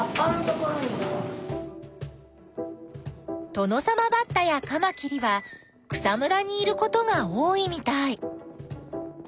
トノサマバッタやカマキリは草むらにいることが多いみたい。